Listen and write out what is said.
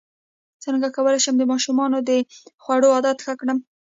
څنګه کولی شم د ماشومانو د خوړو عادت ښه کړم